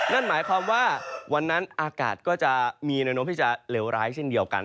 นั่นหมายความว่าวันนั้นอากาศก็จะมีแนวโน้มที่จะเลวร้ายเช่นเดียวกัน